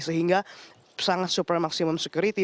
sehingga sangat super maksimum security